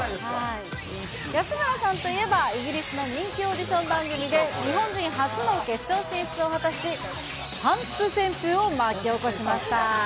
安村さんといえばイギリスの人気オーディション番組で、日本人初の決勝進出を果たし、パンツ旋風を巻き起こしました。